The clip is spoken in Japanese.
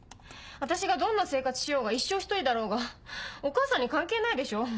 私がどんな生活しようが一生一人だろうがお母さんに関係ないでしょ。